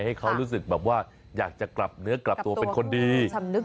ให้เขารู้สึกแบบว่าอยากจะกลับเนื้อกลับตัวเป็นคนดี